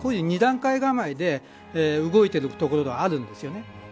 ２段階構えで、動いているところがあるんですよね。